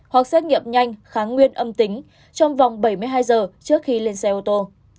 hoặc xét nghiệm nhanh kháng nguyên âm tính trong vòng bảy mươi hai giờ trước khi lên xe ô tô